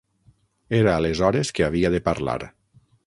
Era aleshores que havia de parlar.